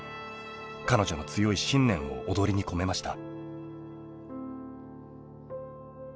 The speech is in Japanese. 彼女の強い信念を踊りに込めました。